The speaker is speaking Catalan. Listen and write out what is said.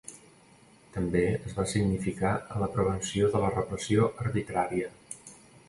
També es va significar en la prevenció de la repressió arbitrària.